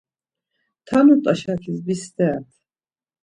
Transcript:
Tanut̆a şakis bisterat.